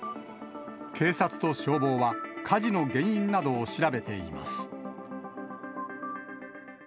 警察と消防は、火事の原因などを調べています。